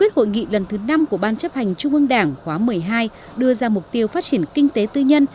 hội nghị lần thứ năm của ban chấp hành trung ương đảng khóa một mươi hai đưa ra mục tiêu phát triển kinh tế tư nhân